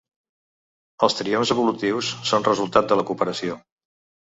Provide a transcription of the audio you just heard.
Els triomfs evolutius són resultat de la cooperació.